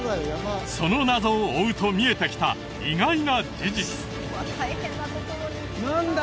その謎を追うと見えてきた意外な事実何だ？